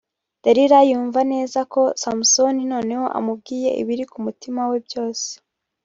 Delila yumva neza ko Samusoni noneho amubwiye ibiri ku mutima we byose